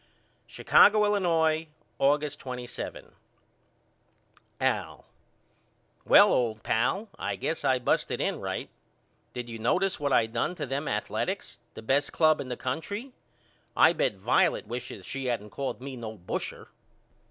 Chicago, Illinois, August 27. AL: Well old pal I guess I busted in right. Did you notice what I done to them Athaletics, the best ball club in the country? I bet Violet wishes she hadn't called me no busher.